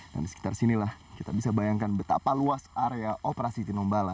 dan di sekitar sinilah kita bisa bayangkan betapa luas area operasi tinombala